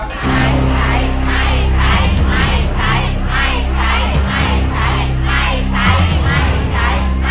ไม่ใช้